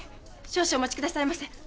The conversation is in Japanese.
少々お待ちください。